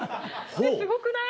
えっすごくない？